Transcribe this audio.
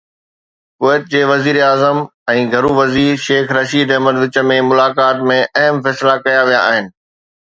ڪويت جي وزيراعظم ۽ گهرو وزير شيخ رشيد احمد وچ ۾ ملاقات ۾ اهم فيصلا ڪيا ويا آهن